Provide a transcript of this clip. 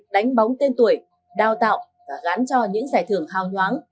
đánh bóng tên tuổi đào tạo và gán cho những giải thưởng hào nhoáng